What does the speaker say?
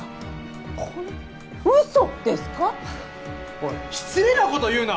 おい失礼なこと言うな。